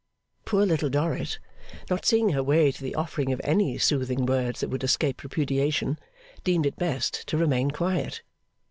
Poor Little Dorrit, not seeing her way to the offering of any soothing words that would escape repudiation, deemed it best to remain quiet.